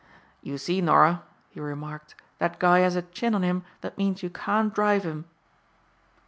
"You see, Norah," he remarked, "that guy has a chin on him that means you can't drive him."